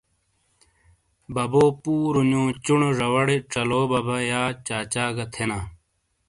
ببو پُورونیو چُنو زواڑے ژالو ببا یا چاچا گہ تھینا۔